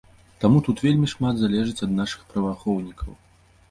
Таму тут вельмі шмат залежыць ад нашых праваахоўнікаў.